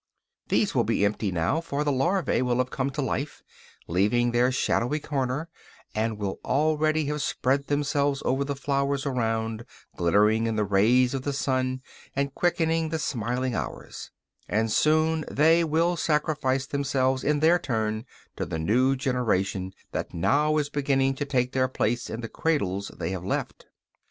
These will be empty now, for the larvæ will have come to life, leaving their shadowy corner, and will already have spread themselves over the flowers around, glittering in the rays of the sun and quickening the smiling hours; and soon they will sacrifice themselves in their turn to the new generation that now is beginning to take their place in the cradles they have left.